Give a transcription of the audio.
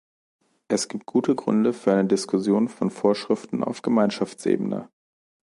Es gibt gute Gründe für eine Diskussion von Vorschriften auf Gemeinschaftsebene.